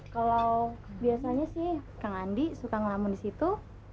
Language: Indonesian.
kalau biasanya sih kang andi suka ngelamun di situ